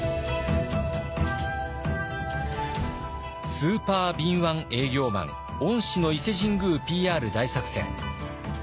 スーパー敏腕営業マン御師の伊勢神宮ＰＲ大作戦。